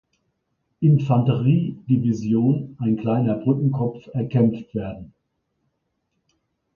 Infanterie-Division ein kleiner Brückenkopf erkämpft werden.